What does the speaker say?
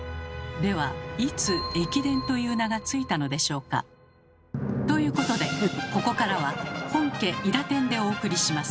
ではいつ「駅伝」という名が付いたのでしょうか？ということでここからは本家「いだてん」でお送りします。